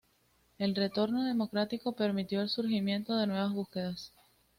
El retorno democrático permitió el surgimiento de nuevas búsquedas.